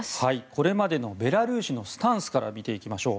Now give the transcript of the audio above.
これまでのベラルーシのスタンスから見ていきましょう。